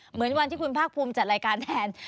เหมือนวันที่คุณภาคภูมิจัดรายการแทน